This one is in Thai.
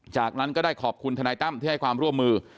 จากนั้นก็ได้ขอบคุณทนายตั้มที่ให้ความร่วมมือ